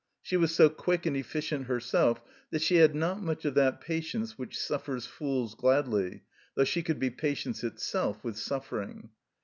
She was so quick and efficient herself that she had not much of that patience which " suffers fools gladly," though she could be patience itself with suffering.